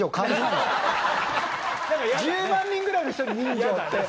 １０万人ぐらいの人に人情って。